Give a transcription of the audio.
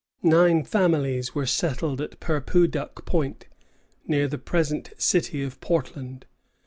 Nine families were settled at Purpooduck Point, near the present city of Portland.